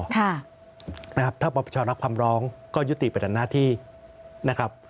ถ้าปปชรักความร้องก็ยุติปหน้าที่นะครับ